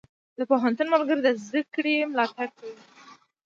د پوهنتون ملګري د زده کړې ملاتړ کوي.